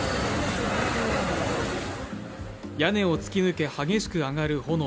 屋根を突き抜け、激しく上がる炎。